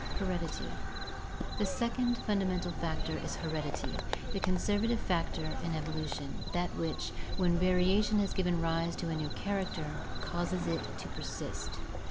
Heredity. — The second fundamental factor is heredity, the conservative factor in evolution, that which, when variation has given rise to a new character, causes it to persist.